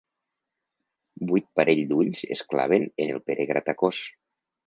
Vuit parell d'ulls es claven en el Pere Gratacós.